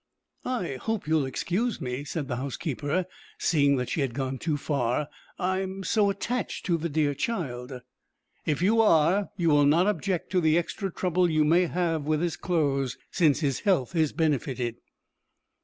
"I hope you will excuse me," said the housekeeper, seeing that she had gone too far. "I am so attached to the dear child." "If you are, you will not object to the extra trouble you may have with his clothes, since his health is benefited."